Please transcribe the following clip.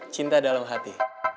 cinta dalam hati